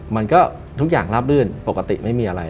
มันก็ทุกอย่างราบรื่นปกติไม่มีอะไร